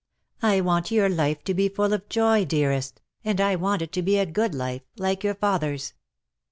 I want your life to be full of joy, dearest, and I want it to be a good life, like your father^s.